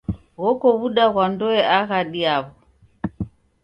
Ghoko w'uda ghwa ndoe aghadi yaw'o.